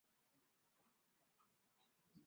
适用于创建进程间通信的共享内存。